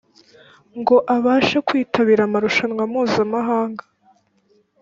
ngo abashe kwitabira amarushanwa mpuzamahanga.